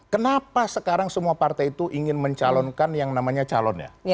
kenapa sekarang semua partai itu ingin mencalonkan yang namanya calonnya